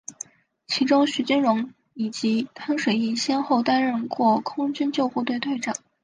其中徐金蓉以及汤水易先后担任过空军救护队队长。